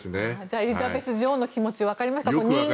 エリザベス女王の気持ち分かりますか。